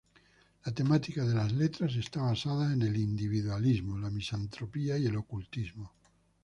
La temática de las letras está basada en el individualismo, la misantropía y Ocultismo.